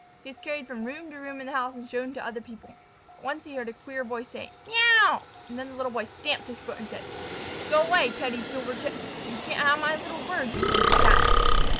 He was carried from room to room in the house and shown to other people. Once he heard a queer voice say, "Meouw!" and then the Little Boy stamped his foot and said: "Go way, Teddy Silvertip. You can't have my little bird, you hungry Cat."